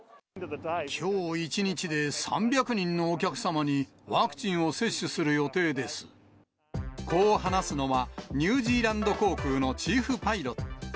きょう１日で３００人のお客こう話すのは、ニュージーランド航空のチーフパイロット。